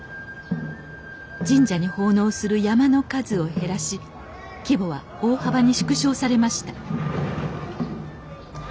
神社に奉納する山車の数を減らし規模は大幅に縮小されました